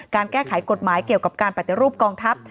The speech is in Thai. แก้ไขกฎหมายเกี่ยวกับการปฏิรูปกองทัพ